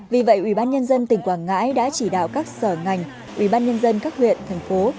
vì vậy ubnd tỉnh quảng ngãi đã chỉ đạo các sở ngành ubnd các huyện thành phố